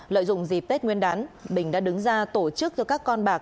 lợi dụng dịp tết nguyên đán bình đã đứng ra tổ chức cho các con bạc